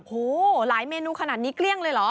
โอ้โหหลายเมนูขนาดนี้เกลี้ยงเลยเหรอ